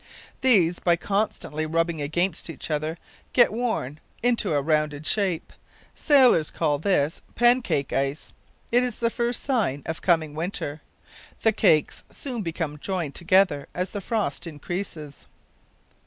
These, by constantly rubbing against each other, get worn into a rounded shape. Sailors call this "pancake ice." It is the first sign of coming winter. The cakes soon become joined together as the frost increases.